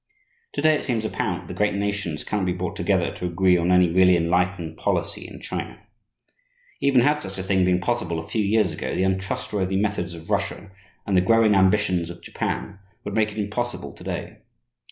To day it seems apparent that the great nations cannot be brought together to agree on any really enlightened policy in China. Even had such a thing been possible a few years ago, the untrustworthy methods of Russia and the growing ambitions of Japan would make it impossible to day.